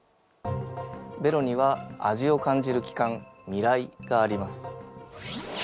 ベロには味を感じる器官味らいがあります。